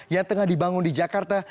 yang tengah dibangun di jakarta